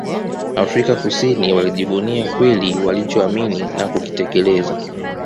Afrika Kusini Walijivunia kweli walichoamini na kukitekeleza